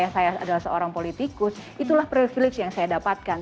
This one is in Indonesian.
saya adalah seorang politikus itulah privilege yang saya dapatkan